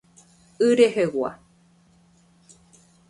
Y rehegua.